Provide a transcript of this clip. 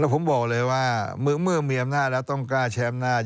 ผมบอกเลยว่าเมื่อมีอำนาจแล้วต้องกล้าใช้อำนาจ